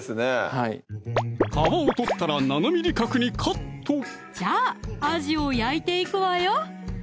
はい皮を取ったら７ｍｍ角にカットじゃああじを焼いていくわよ！